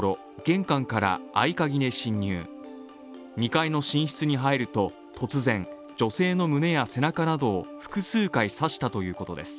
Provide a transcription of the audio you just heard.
２階の寝室に入ると、突然、女性の胸や背中などを複数回、刺したということです。